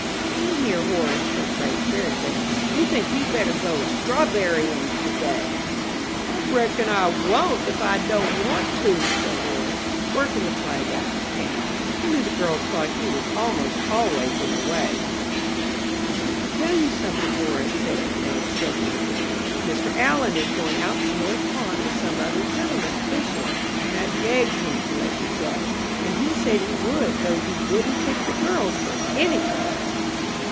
"See here, Horace," said Grace, very grandly, "we think you'd better go a strawberrying to day." "I reckon I won't if I don't want to," said Horace, working the flag out of his cap. He knew the girls thought he was almost always in the way. "I want to tell you something, Horace," said aunt Madge, stroking his hair. "Mr. Allen is going out to North Pond with some other gentleman, fishing, and I begged him to let you go; and he said he would, though he wouldn't take the girls for any thing."